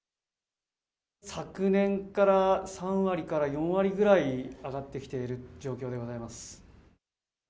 昨年から３割から４割ぐらい上がってきている状況でございます。